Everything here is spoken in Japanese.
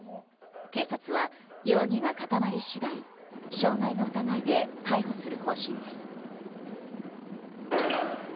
警察は容疑が固まり次第傷害の疑いで逮捕する方針です。